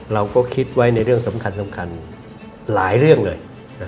เราก็คิดไว้ในเรื่องสำคัญหลายเรื่องเลย